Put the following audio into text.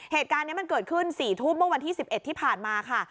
เหตุการณ์นี้มันเกิดขึ้น๔ทุ่มเมื่อวันที่๑๑ที่ผ่านมาค่ะ